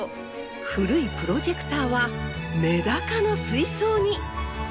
古いプロジェクターはメダカの水槽に。